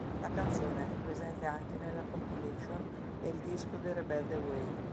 La canzone è presente anche nella compilation "El disco de Rebelde Way".